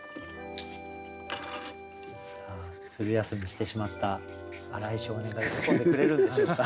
さあずる休みしてしまった荒井少年が喜んでくれるんでしょうか？